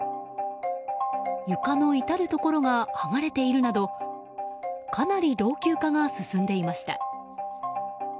床の至るところが剥がれているなどかなり老朽化が進んでいました。